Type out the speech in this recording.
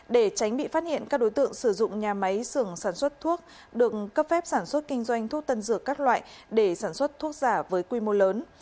để tránh bị phát hiện các đối tượng sử dụng nhà máy sưởng sản xuất thuốc được cấp phép sản xuất kinh doanh thuốc tân dược các loại để sản xuất thuốc giả với quy mô lớn